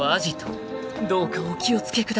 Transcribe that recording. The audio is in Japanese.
［どうかお気を付けください］